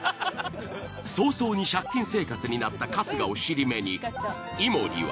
早々に借金生活になった春日を尻目に井森は。